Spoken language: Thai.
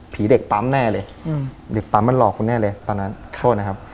เด็กปั๊มแน่เลยเด็กปั๊มมันหลอกคุณแน่เลยตอนนั้นโทษนะครับ